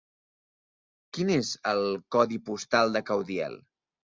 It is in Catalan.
Quin és el codi postal de Caudiel?